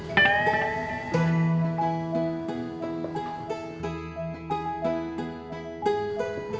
sampai lantainya kering